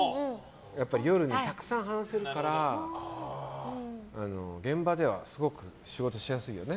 やっぱり夜にたくさん話せるから現場ではすごく仕事しやすいよね。